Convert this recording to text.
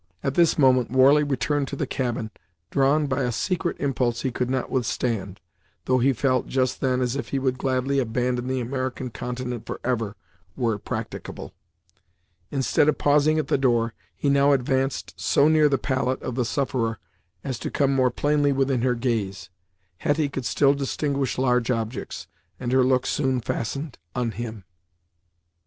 At this moment Warley returned to the cabin, drawn by a secret impulse he could not withstand, though he felt, just then, as if he would gladly abandon the American continent forever, were it practicable. Instead of pausing at the door, he now advanced so near the pallet of the sufferer as to come more plainly within her gaze. Hetty could still distinguish large objects, and her look soon fastened on him.